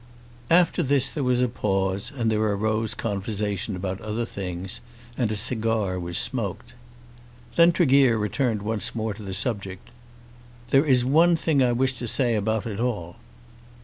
After this there was a pause, and there arose conversation about other things, and a cigar was smoked. Then Tregear returned once more to the subject. "There is one thing I wish to say about it all."